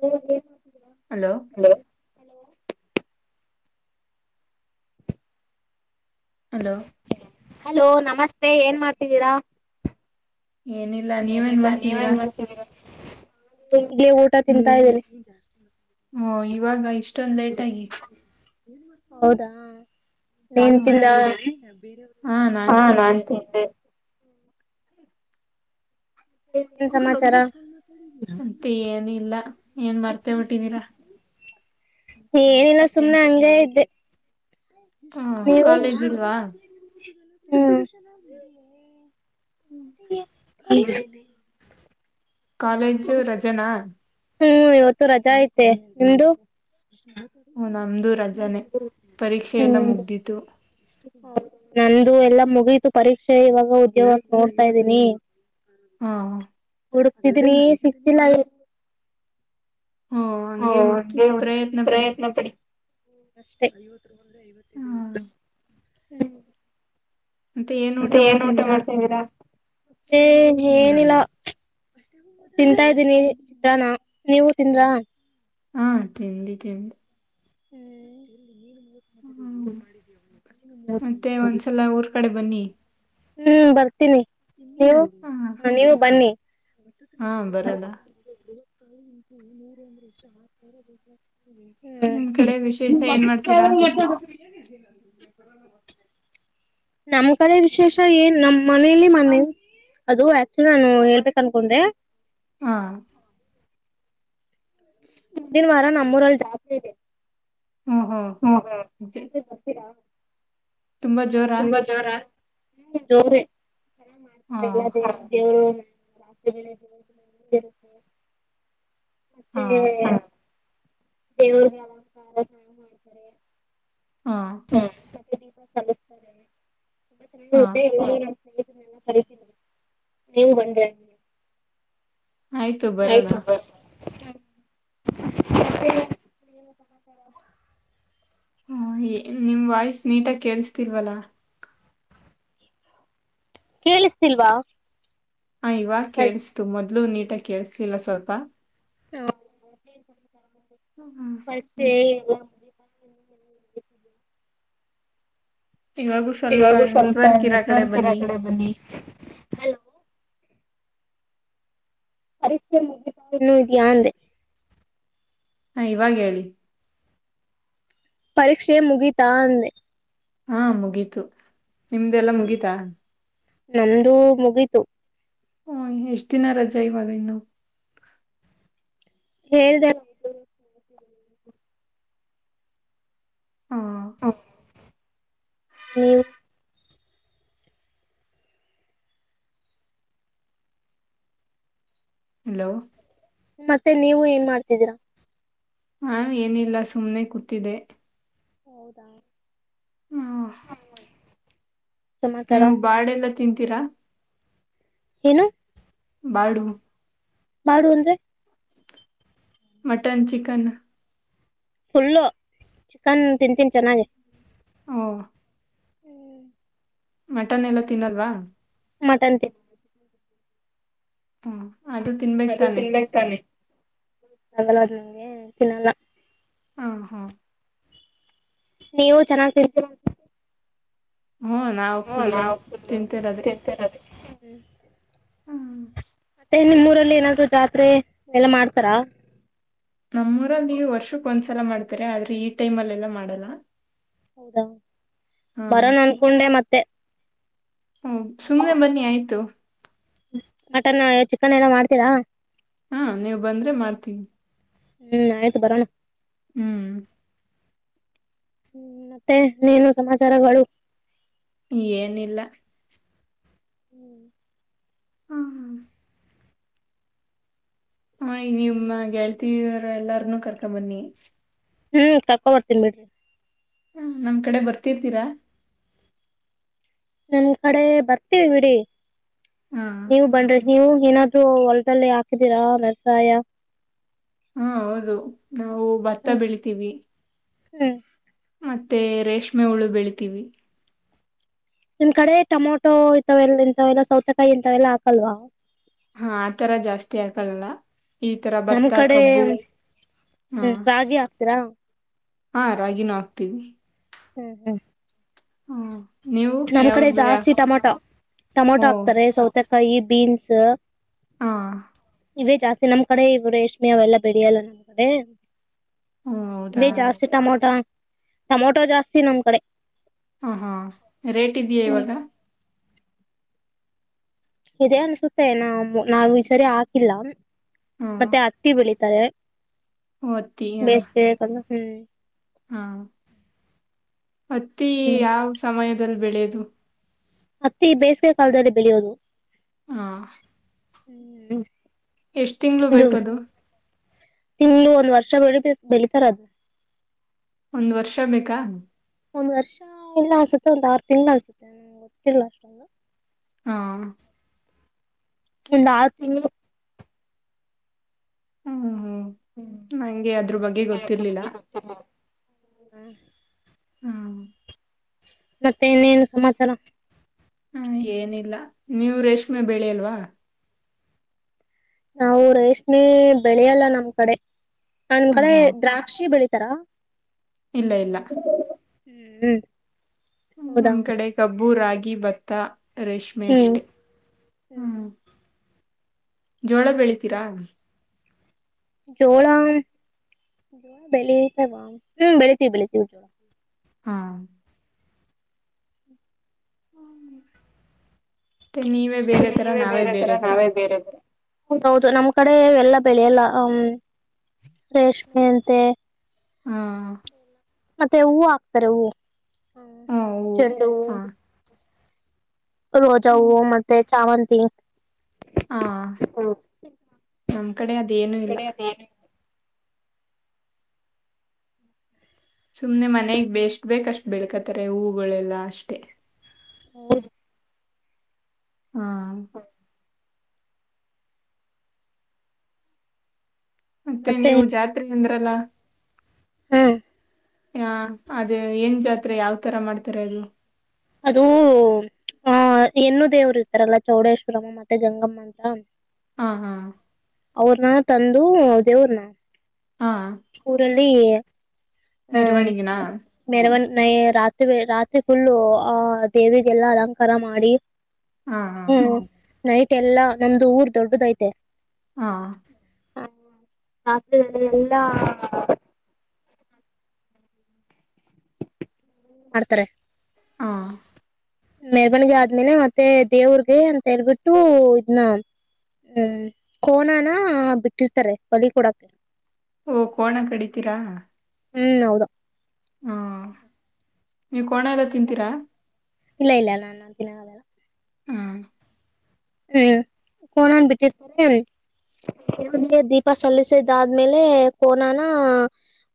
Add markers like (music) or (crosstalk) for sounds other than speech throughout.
ಹ್ಮ. Hello. Hello. Hello ನಮಸ್ತೆ ಏನ್ ಮಾಡ್ತಿದ್ದೀರಾ. ಏನಿಲ್ಲ ನೀವೇನ್ ಮಾಡ್ತಿದ್ದೀರಾ. ನಿ ಊಟ ತಿಂತಾ ಇದ್ದೀನೆ. ಹ್ಮ ಇವಾಗ ಇಷ್ಟ. ಇಸ್ಟೊಂದ ಲೇಟಾಗಿ ಹೌದಾ. ನೀನ ಹ್ಮ ತಿಂದ ಹಾ ನಾನ್ ತಿಂದೆ. ಏನ್ ಸಮಾಚಾರ. ಅಂತ ಏನಿಲ್ಲ. ಏನ್ ಮರ್ತೇ ಬಿಟ್ಟಿದೀರಾ. ಏನಿಲ್ಲ ಸುಮ್ನೆ ಹಂಗೇ ಇದ್ದೆ. ಹ್ಮ ನೀ (inaudible) ಕಾಲೇಜ್ ಇಲ್ವಾ ಹ. ಕಾಲೇಜು ರಜನಾ. ಹ್ಮ್ ಇವತ್ತು ರಜಾ ಐತಿ ನಿಮ್ದು. ನಮ್ದು ರಜನೆ ಪರೀಕ್ಷೆಯೆಲ್ಲ ಹ್ಮ್ ಮುಗ್ದಿತು. ನಂದು ಎಲ್ಲಾ ಮುಗೀತು ಪರೀಕ್ಷೆ ಇವಾಗ ಉದ್ಯೋಗಕ್ಕೆ ನೋಡ್ತಾ ಇದ್ದೀನಿ ಹಾ. ಹುಡಕ್ತಿದೀನಿ ಸಿಕ್ತಿಲ್ಲ. ಹ್ಮ ಹ್ಮ ಹಂಗೆ ಹುಡ್ಕಿ ಅ ಪ್ರಯತ್ನ ಪಡಿ. ಅಷ್ಟೇ. ನೂರ ಹಾ ಐವತ್ತದು ಇತ್ತ. ಹ್ಮ್. ಮತ್ತೆ ಏನ್ ಊಟ ಮಾಡ್ತಿದ್ದೀರಾ. ಏ ಏನಿಲ್ಲ ತಿಂತಾ ಇದ್ದೀನಿ ಚಿತ್ರನ್ನ ನೀವು ತಿಂದ್ರಾ. ಹಾ ತಿಂಡಿ ತಿಂಡಿ. ಹ್ಮ್. ಹ್ಮ ಮತ್ತೆ ಒಂದ್ಸಲ ಊರ್ ಕಡೆ ಬನ್ನಿ. ಹ್ಮ್ ಬರ್ತೀನಿ. ಹ ನೀವು ಬನ್ನಿ. (inaudible) ಹಾ ಬರದ ನಿಮ್ ಕಡೆ ವಿಶೇಷ ಏನ್ ಮಾಡ್ತೀರಾ (unintelligible) ನಮ್ಮ್ ಕಡೆ ವಿಶೇಷ ಏನ್ ನಮ್ಮ್ ಮನೇಲಿ ಮನೆ ಅದು ಆಕ್ಚುಲಿ ನಾನು ಹೇಳ್ಬೇಕ ಅನ್ಕೊಂಡೆ. ಹಾ ಮುಂದಿನ ವಾರ ನಮ್ಮೂರಲ್ಲಿ ಜಾತ್ರಿ ಇದೆ. ಹ್ಮ್ ಹ್ಮ್ ಹ್ಮ ಹ್ಮ ಯಾರ್ ಅದೇ ಯಾರ್ ಬರ್ತೀರಾ ತುಂಬಾ ಜೋರಾ? ತುಂಬಾ ಜೋರ ಹ್ಮ ಜೋರೆ. ಚನ್ನ ಹಾ ಮಾಡ್ತಾರೆ ಎಲ್ಲ ದೇವ್ರ ದೇವ್ರು. (unintelligible) ಹಾ ಮತ್ತೆ ದೇವರ್ಗೆ ಅರಂಕಾರ ಚೆನ್ನಾಗ್ ಮಾಡ್ತಾರೆ. ಹಾ (unintelligible) (unintelligible) ಹಾ ಕರಿತಿವಿ ನೀವು ಬನ್ನ್ರಿ ಹಂಗೆ. ಆಯ್ತು ಬರೋಣ. (unintelligible) ಹ ನಿಮ್ ವಾಯ್ಸ್ ನೀಟಾಗಿ ಕೇಳಿಸ್ತಿಲ್ವಲ್ಲ. ಕೇಳಿಸ್ತಿಲ್ವಾ? ಹ ಇವಾಗ ಕೇಳಿಸ್ತು ಮೊದ್ಲು ಮೊದ್ಲು ನೀಟಾಗಿ ಕೇಳಿಸ್ಲಿಲ್ಲ ಸ್ವಲ್ಪ. ಹಾ ಹ್ಮ್ (unintelligible) (unintelligible) ಇವಾಗೂ ಸ್ವಲ್ಪ ಇವಾಗ ಸ್ವಲ್ಪ ನೆಟ್ವರ್ಕ್ ಇರೋ ಕಡೆ ನೆಟ್ವರ್ಕ್ ಇರ ಬನ್ನಿ. ಕಡೆ ಬನ್ನಿ ಹಲೋ. ಪರೀಕ್ಷೆ ಮುಗ್ದಿದೆಯಾ ಇನ್ನೂ ಇದೆಯಾ ಅಂದೆ. ಹಾ ಇವಾಗ ಹೇಳಿ. ಪರೀಕ್ಷೆ ಮುಗೀತಾ ಅಂದೆ. ಹಾ ಮುಗೀತು. ನಿಮ್ದೆಲ್ಲ ಮುಗೀತಾ? ನಮ್ದು ಮುಗಿತು. ಹ್ಮ ಎಷ್ಟ್ ದಿನ ರಜಾ ಇವಾಗ ಇನ್ನು. (unintelligible) ಹಾ ನೀವೂ ಹಲೋ ಮತ್ತೆ ನೀವು ಏನ್ ಮಾಡ್ತಿದ್ದೀರಾ? ನಾನ ಏನಿಲ್ಲ ಸುಮ್ಮ್ನೆ ಕೂತಿದೆ ಹೌದಾ ಹ್ಮ ಸಮಾಚಾರ ನೀವು ಬಾಡೇಲ್ಲಾ ತಿಂತಿ ತೀರಾ ಏನು ಬಾಡು ಬಾಡು ಅಂದ್ರೆ ಮಟನ್ ಚಿಕನ್ ಫುಲ್ಲು ಚಿಕನ್ ತಿನ್ತಿನ್ ಚೆನ್ನಾಗಿ ಓ ಮಟನ್ ಎಲ್ಲಾ ತಿನ್ನಲ್ವಾ ಮಟನ್ ತಿನ ಹ್ಮ್ ಅದು ತಿನ್ಬೇಕ್ ಅದು ತಾನೆ ತಿನ್ಬೇಕ ತಾನೆ ಆಗಲ್ಲ ಅದು ನಂಗೆ ತಿನ್ನಲ್ಲ ಹಾ ಹಾ ನೀವು ಚೆನ್ನಾಗ್ ತಿ ಹ್ಮ ನಾವು ಫುಲ್ ಫುಲ್ಲು ತಿಂತಿರೋದೆೇ ತಿಂತಿರೋದೆ. (inaudible) ಹ್ಮ್ ಮತ್ತೆ ನಿಮ್ಮೂರಲ್ಲಿ ಏನಾದ್ರು ಜಾತ್ರೆ ಎಲ್ಲ ಮಾಡ್ತಾರ ನಮ್ಮೂರಲ್ಲಿ ಈಗ ವರ್ಷಕ್ ಒಂದ್ಸಲ ಮಾಡ್ತಾರೆ ಆದ್ರೆ ಈ ಟೈಮ್ಲ್ಲೆಲ್ಲ ಮಾಡಲ್ಲ ಹೌದಾ ಹಾ ಬರೋನ ಅನ್ಕೊಂಡೆ ಮತ್ತೆ ಹೂಂ ಸುಮ್ನೆ ಬನ್ನಿ ಆಯ್ತು ಮಟನ್ ಚಿಕನ್ ಎಲ್ಲ ಮಾಡ್ತೀರಾ ಹಾ ನೀವ್ ಬಂದ್ರೆ ಮಾಡ್ತೀವಿ ಹ್ಮ್ ಆಯ್ತು ಬರೋಣ ಹ್ಮ್ ಹ್ಮ ಮತ್ತೆ ನೀನು ಸಮಾಚಾರಗಳು ಏನಿಲ್ಲ ಹ್ಮ್ ಹ್ಮ ಹ್ಮ ಹಾ ನೀಮ್ಮ ಗೆಳತಿರ್ ಎಲ್ಲಾರ್ನು ಕರ್ಕೊ ಬನ್ನಿ ಹ್ಮ್ ಕರ್ಕೊ ಬರ್ತೀನ್ಬಿಡ್ರಿ ಹ ನಮ್ ಕಡೆ ಬರ್ತಿರ್ತೀರಾ ನಮ ಕಡೆ ಬರ್ತೀವಿ ಬಿಡಿ ಹಾ ನೀವು ಬನ್ರಿ ನೀವು ಏನಾದ್ರೂ ಹೊಲದಲ್ಲಿ ಹಾಕಿದ್ದೀರಾ ವ್ಯವಸಾಯ ಹಾ ಹೌದು ನಾವು ಭತ್ತ ಬೆಳಿತೀವಿ ಹೂ ಮತ್ತೆ ರೇಷ್ಮೆ ಹುಳು ಬೆಳಿತೀವಿ ನಿಮ್ ಕಡೆ ಟೊಮೊಟೊ ಇಂತವೆಲ್ಲ ಸೌತೆಕಾಯಿ ಇಂತವೆಲ್ಲಾ ಹಾಕಲ್ವಾ. ಹಾ ಆತರ ಜಾಸ್ತಿ ಆಕಲ್ಲಲ್ಲ ಈ ತರ ನಮ್ ಭತ್ತ ಕಡೆ ಕಬ್ಬು ಹ. ಹ್ಮ್ ರಾಗಿ ಹಾಕ್ತೀರಾ ಹಾ ರಾಗಿನೂ ಹಾಕ್ತೀವಿ. ಹ್ಮ್ ಹ್ಮ್. ಹಾ. ನಮ್ ಕಡೆ ಜಾಸ್ತಿ ಟಮೊಟೊ ಟಮೊಟೊ ಓ ಹಾಕ್ತರೆ ಸೌತೆ. ಕೈ ಬೀನ್ಸ್. ಹಾ. ಇವೇ ಜಾಸ್ತಿ ನಮ್ ಕಡೆ ಇವ ರೇಷ್ಮೆ ಅವೆಲ್ಲ ಬೆಳೆಯಲ್ಲ ನಮ್ ಕಡೆ. ಹ್ಮ ಹೌದಾ ಇವೆ ಜಾಸ್ತಿ ಟಮೊಟೊ. ಟೊಮೊಟೋ ಜಾಸ್ತಿ ನಮ್ ಕಡೆ. ಹಾ ಹಾ. ರೇಟ್ ಇದ್ದೀಯ ಇವಾಗ. ಇದೆ ಅನ್ಸುತ್ತೆ ನ ನಾವು ಈ ಸರಿ ಹಾಕಿಲ್ಲ ಮತ್ತೆ ಅತ್ತಿ ಬೆಳೀ. ತಾರೆ. ಓತಿಯ. ಹ್ಮ್. ಹಾ ಹತ್ತಿ ಹ್ಮ್ ಯಾವ ಸಮಯದಲ್ಲಿ. ಬೆಳೆದು. ಹತ್ತಿ ಬೇಸಿಗೆ ಕಾಲದಲ್ಲಿ ಬೆಳೆಯೋದು. ಹಾ. ಹ್ಮ್. ಎಷ್ಟ್ ತಿಂಗಳು ಬೇಕದು. ತಿಂಗಳು ಒಂದು ವರ್ಷ ಬೆಳಿ ಬೆಳಿತಾರ ಅದು. ಒಂದ ವರ್ಷ ಬೇಕಾ. ಒಂದ್ ವರ್ಷ ಇಲ್ಲ ಅನ್ಸುತ್ತೆ ಒಂದ್ ಆರ್ ತಿಂಗಳು ಅನ್ಸುತ್ತೆ ನನಗೆ ಗೊತ್ತಿಲ್ಲ ಅಷ್ಟೊಂದು. ಹಾ. ಒಂದ್ ಆರ ತಿಂಗಳು. ಹ್ಮ್ ಹ್ಮ್ ನಂಗೆ ಅದರ ಬಗ್ಗೆ ಗೊತ್ತಿರ್ಲಿಲ್ಲ. ಹ್ಮ. ಹ್ಮ. ಮತ್ತೆ ಇನೇನು ಸಮಾಚಾರ. ಹಾ ಏನಿಲ್ಲ ನೀವು ರೇಷ್ಮೆ ಬೆಳೆಯಲ್ವಾ. ನಾವು ರೇಷ್ಮೆ ಬೆಳೆಯಲ್ಲ ನಮ್ ಕಡೆ. ನಮ್ ಹ್ಮ್ ಕಡೆ ಹ್ಮ್ ದ್ರಾಕ್ಷಿ ಬೆಳಿ. ತರಾ. ಇಲ್ಲ ಇಲ್ಲ. ಹ್ಮ್ ಹ್ಮ. ಹ್ಮ ನಮ್ ಕಡೆ ಕಬ್ಬು ರಾಗಿ ಭತ್ತ ರೇಷ್ಮೆ ಹ್ಮ್ ಅಷ್ಟೆ ಹ್ಮ್ ಜೋಳ ಬೆಳಿತೀರಾ ಜೋಳ ಜೋಳ ಬೆಳಿತವಾ ಹ್ಮ್ ಬೆಳಿತೀವಿ ಬೆಳಿತೀವಿ ಜೋಳ ಹಾ ಮತ್ತೆ ನೀವೇ ಬೇರೆ ತರ ನೀವೇ ನಾವೇ ಬೇರೆ ತರ ನಾವೇ ಬೇರೆ ತರ ಹೌದೌದು ನಮ್ಮ್ ಕಡೆ ಎಲ್ಲ ಬೆಳಿ ಎಲ್ಲ ಹ್ಮ್ ರೇಷ್ಮೆ ಅಂತೆ ಹಾ ಮತ್ತೆ ಹೂವು ಹಾಕ್ತಾರೆ ಹೂವು ಹ್ಮ ಹ್ಮ್ ಹೂ ಚೆಂಡ ಹಾ ರೋಜಾ ಹೂವು ಮತ್ತೆ ಚಾವಂತ ಸಿ ಆಾ ನಮ ಕಡೆ ಅದೇನು ಇಲ್ಲ ಕಡೆ ಅದೇನು ಸುಮ್ನೆ ಮನೆಗ್ ಬೆಷ್ಟ ಬೇಕಷ್ಟ್ ಬೆಳ್ಕತಾರೆ ಹೂಗಳೆಲ್ಲಾ ಅಷ್ಟೇ ಹೌ ಹಾ ಮತ್ತೆ ನೀವು ಜಾತ್ರೆ ಅಂದ್ರಲ್ಲ ಹ್ಮ್ ಹ ಅದೇ ಏನ್ ಜಾತ್ರೆ ಯಾವತರ ಮಾಡ್ತಾರೆ ಅದು ಅದುೂ ಆ ನ್ನು ದೇವರು ಇರ್ತಾರಲ್ಲ ಚೌಡೇಶ್ವರಮ್ಮ ಮತ್ತೆ ಗಂಗಮ್ಮ ಅಂತ ಹಾ ಹಾ ಅವ್ರನ್ನ ತಂದು ದೇವ್ರನ್ನ ಹಾ ಅ ನಿರ್ವಣಗಣಾ ನಯ ರಾತ್ರಿ ರಾತ್ರಿ ಫುಲ್ಲು ಆಹ ದೇವಿಗೆಲ್ಲಾ ಅಲಂಕಾರ ಮಾಡಿ ಹಾ ಹಾ ಹ್ಮ ನೈಟ್ ಎಲ್ಲಾ ನಮ್ದು ಊರ್ ದೊಡ್ಡದಐತೆ ಹ ಹಾ ರಾತ್ರಿಲ್ಲ ಲ್ಲಾ ಮಾಡಡ್ತಾರೆ ಹಾ ಮೆರವಣಿಗೆ ಆದ್ಮೇಲೆ ಮತ್ತೆ ದೇವ್ರಗೆ ಅಂತ ಹೇಳ್ಬಿಟ್ಟು ಇದ್ನ್ನ ಹ್ಮ್ ಕೋನಾನ ಬಿಟ್ಟಿರ್ತಾರೆ ಬಲಿ ಕೊಡಕ ಓ ಕೋಣ ಕಡಿತೀರಾ ಹ್ಮ್ ಹೌದ ಹ್ಮ ಈ ಕಣ ಎಲ್ಲ ತಿಂತೀರಾ ಇಲ್ಲ ಇಲ್ಲ ನಾನ ಅ ತಿನಾಗೆಲ್ಲ ಹ್ಮ. ಹ್ಮ್ ಕೋಣನ್ ಬಿಟ್ಟಿರ್ತಾರೆನಿಗೆ ದೀಪ ಸಲ್ಲಿಸಿದಾದ್ಮೇಲೆ ಕೋನಾನ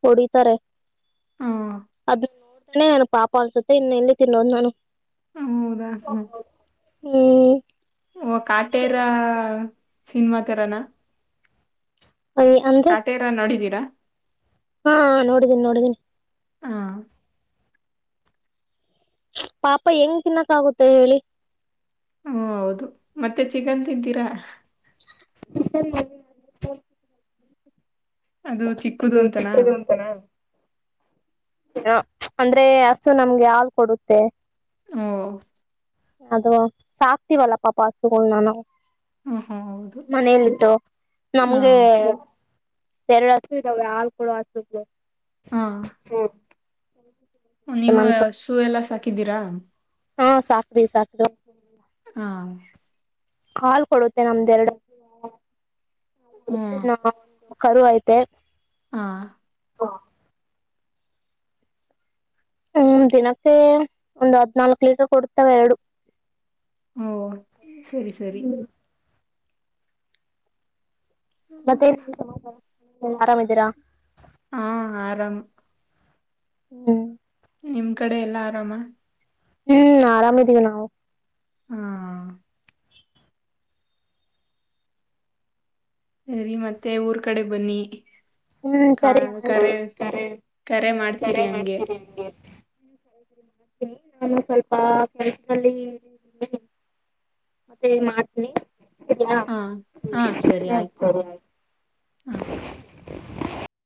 ಹೊಡಿತಾರೆ. ಹ್ಮ್ ಅದು. ನು ಪಾಪ ಅನ್ಸುತ್ತೆ ಇನ್ನು ಎಲ್ಲಿ ತಿನ್ನೋದು ನಾನು. ಹೌದಾ ಸರ. ಹ್ಮ್. ಓ ಕಾಟೇರ ಸಿನಮಾ ತರಾನ. ಅಯ್ ಅಂದ್ರೆ ಕಾಟೇರ ನೋಡಿದೀರಾ. ಹಾ ನೋಡಿದ್ದೀನಿ ನೋಡಿದ್ದೀನಿ. ಹಾ. ಪಾಪ ಹೆಂಗ ತಿನ್ನಕ್ ಆಗುತ್ತೆ ಹೇಳಿ. ಹ್ಮ ಹೌದು ಮತ್ತೆ ಚಿಕನ್ ತಿಂತೀರಾ. (unintelligible) ಅದು ಚಿಕ್ಕದು ಅದು ಅಂತನಾ ಚಿಕ್ಕದು ಅಂತಾನ. ಹ ಅಂದ್ರೆ ಹಸು ನಮ್ಗೆ ಹಾಲು ಕೊಡುತ್ತೆ. ಹ. ಅದು ಸಾಕ್ತಿವಲ್ಲ ಪಾಪ ಹಸುಗಳು ನಾವು. ಹ ಹಾ ಹೌದು ಮನೆಯಲ್ಲಿಟ್ಟು ಹಾ ನಮ್ಗೆ. ಎರಡು ಹಸು ಇದಾವೆ ಹಾಲು ಕೊಡುವ ಹಸುಗಳು. ಹಾ. ಹು ನೀವು ಹಸು ಎಲ್ಲಾ ಸಾಕಿರಿ. ಹಕ್ಕಿದ್ದೀರಾ. ಹಾ ಸಾಕ್ವಿ ಸಾಕಿದ್ವಿ ಹಾ. ಹಾಲ್ ಕೊಡುತ್ತೆ ನಮ್ದ ಎರಡು. ಹ್ಮ. ನಾ ಒಂದು ಕರು ಐತೆ ಹ. ಹಾ. ಹ್ಮ್ ದಿನಕ್ಕೆ ಒಂದ್ ಹದ್ನಾಲ್ಕ್ ಲೀಟರ್ ಕೊಡ್ತವೆ ಎರಡು. ಹ್ಮ. ಸರಿ ಸರಿ ಮತ್ತ ಆರಾಮ್ ಇದೀರಾ. ಹಾ ಆರಾಮ. ಹ್ಮ್. ನಿಮ್ ಕಡೆ ಎಲ್ಲಾ ಆರಾಮ. ಹ್ಮ್ ಆರಾಮ್ದೀವಿ ನಾವು. ಹಾ. ಸರಿ ಮತ್ತೆ ಊರ್ ಕಡೆ ಬನ್ನಿ. ಹ್ಮ್ ಸರಿ ಕರೆ ಕರೆ ಕರೆ ಹಂಗೆ ಮಾಡ್ತೀರಿ ನಿಮಗೆ. ಹ್ಮ ಸರಿ ಸರಿ ಮಾಡ್ತೀನಿ ನಾನು ಸ್ವಲ್ಪ ಕೆಲ್ಸಿನಲ್ಲಿದೇನಿ ಮತ್ತೆ ಮಾಡ್ತೀನಿ. ಇಡ್ಲ ಹಾ ಹಾ ಸರಿ ಹ್ಮ ಸರಿ ಆಯ್ತು. ಹಾ. (unintelligible)